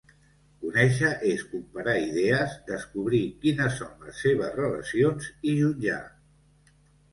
Conèixer, és comparar idees, descobrir quines són les seves relacions, i jutjar.